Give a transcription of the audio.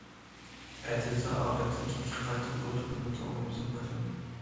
ئەتىيازدا ئاپەتتىن كېيىنكى قايتا قۇرۇش خىزمىتى ئومۇميۈزلۈك باشلىنىدۇ.